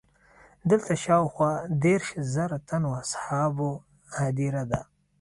دلته د شاوخوا دېرش زره تنو اصحابو هدیره ده.